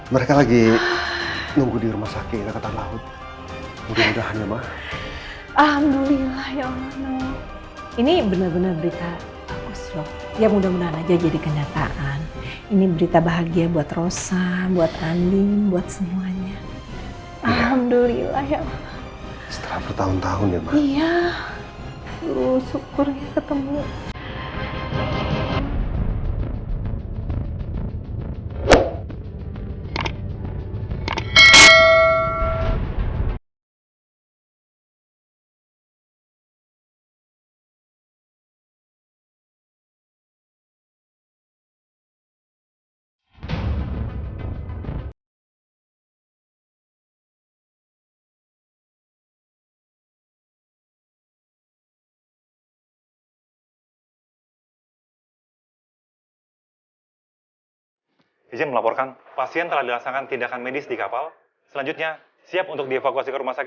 makanya saya sama rendy sekarang lagi stand by terus di rumah sakit angkatan laut untuk menunggu kabar